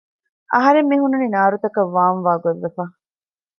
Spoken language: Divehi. އަހަރެން މިހުންނަނީ ނާރުތަކަށް ވާން ވާ ގޮތްވެފަ